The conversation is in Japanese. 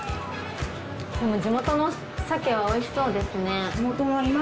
地元の鮭はおいしそうですね。